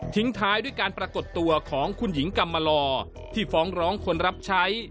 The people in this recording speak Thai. ท้ายด้วยการปรากฏตัวของคุณหญิงกำมาลอที่ฟ้องร้องคนรับใช้